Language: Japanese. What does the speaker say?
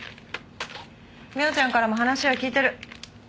澪ちゃんからも話は聞いてる。